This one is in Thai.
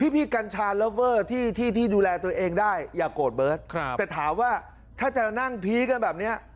พี่พี่กัญชาที่ที่ดูแลตัวเองได้อย่าโกรธเบิร์ดครับแต่ถามว่าถ้าจะนั่งพีคกันแบบเนี้ย